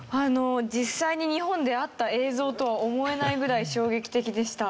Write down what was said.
実際に日本であった映像とは思えないぐらい衝撃的でした。